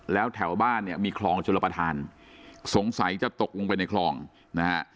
แล้วแถวบ้านเนี่ยมีคลองชลประธานสงสัยจะตกลงไปในคลองนะฮะ